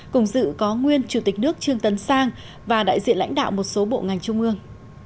cùng dự có nguyên chủ tịch nước trương tấn sang và đại diện lãnh đạo một số bộ ngành trung ương